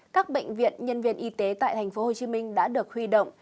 các bệnh viện nhân viên y tế tại tp hcm đã được huy động